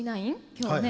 今日のね